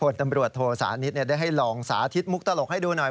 ตำรวจโทสานิทได้ให้ลองสาธิตมุกตลกให้ดูหน่อย